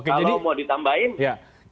kalau mau ditambahin